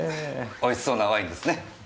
美味しそうなワインですね。